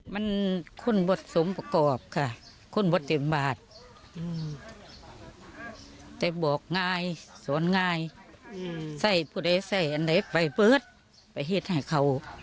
มันคุณบทสมประกอบค่ะคุณบทจิมบาทแต่บอกงายสวนงายใส่พุทธไอ้ใส่อันไลฟ์ไปปื๊ดไปฮิตให้เขา